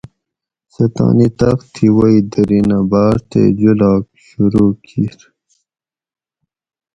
سہ تانی تخت تھی وئی دۤھرینہ بھاۤڄ تے جولاگ شروع کِیر